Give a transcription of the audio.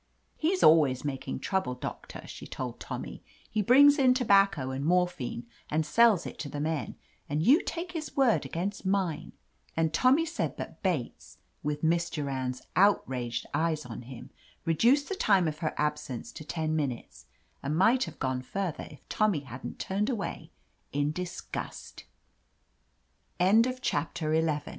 "He's always making trouble. Doctor," she told Tommy. "He brings in tobacco and mor phine and sells it to the men, and you take his word against mine !" And Tommy said that Bates, with Miss Du rand's outraged eyes on him, reduced the time of her absence to ten minutes, and might have gone further if Tommy hadn'